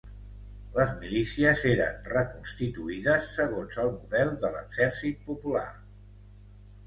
Les milícies eren reconstituïdes, segons el model de l'Exèrcit Popular